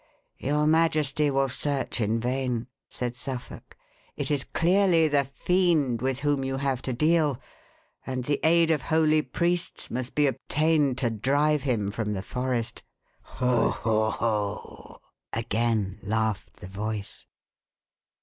"Your majesty will search in vain," said Suffolk; "it is clearly the fiend with whom you have to deal, and the aid of holy priests must be obtained to drive him from the forest." "Ho! ho! ho!" again laughed the voice.